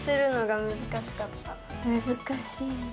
むずかしいんだ。